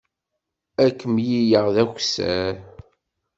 Ad k-mlileɣ d akessar.